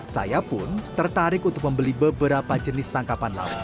saya pun tertarik untuk membeli beberapa jenis tangkapan laut